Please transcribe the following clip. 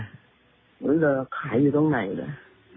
หรือขายอยู่ตรงไหนล่ะ